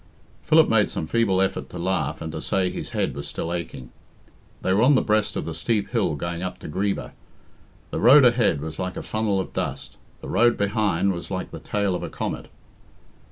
Philip made some feeble effort to laugh, and to say his head was still aching. They were on the breast of the steep hill going up to Greeba. The road ahead was like a funnel of dust; the road behind was like the tail of a comet.